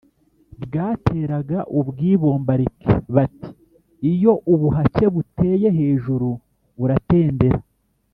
bwateraga ubwibombarike. bati: iyo ubuhake buteye hejuru uratendera .